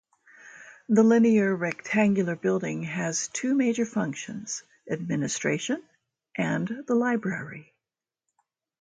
The linear rectangular building has two major functions, Administration and the Library.